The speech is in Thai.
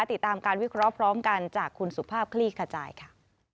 ติดตามการวิเคราะห์พร้อมกันจากคุณสุภาพคลี่ขจายค่ะ